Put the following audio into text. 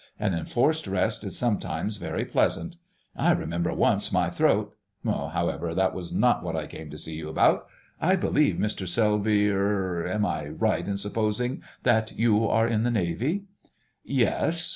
An enforced rest is sometimes very pleasant. I remember once, my throat.... However, that was not what I came to see you about. I believe, Mr Selby, er—am I right in supposing that you are in the Navy?" "Yes."